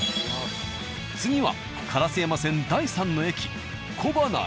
次は烏山線第３の駅小塙へ。